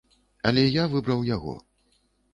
Але я выбраў яго.